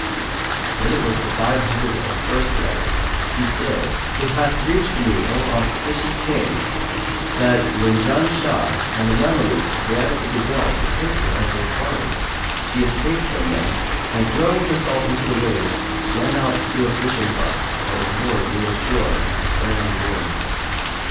When it was the Five Hundred and First Night, She said, It hath reached me, O auspicious King, that "when Janshah and the Mamelukes ran at the gazelle, to take her as their quarry, she escaped from them and, throwing herself into the waves, swam out to a fishing bark, that was moored near the shore, and sprang on board.